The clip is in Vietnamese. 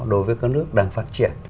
đối với các nước đang phát triển